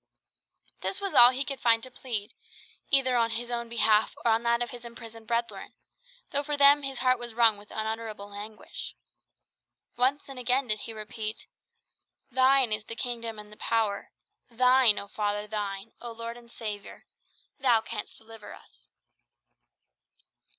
This was all he could find to plead, either on his own behalf or on that of his imprisoned brethren; though for them his heart was wrung with unutterable anguish. Once and again did he repeat "Thine is the kingdom and the power. Thine, O Father; thine, O Lord and Saviour. Thou canst deliver us."